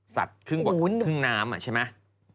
สัตว์ขึ้นบนขึ้นน้ำอ่ะใช่ไหม